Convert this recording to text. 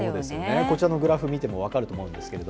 こちらのグラフ見ても分かると思うんですけれど